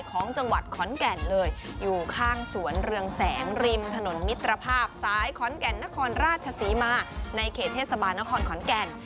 ของจังหวัดขอนแก่นเลยอยู่ข้างสวนเรืองแสงริมถนนมิตรภาพซ้ายขอนแก่นนครราชศรีมาในเขตเทศบาลนครขอนแก่น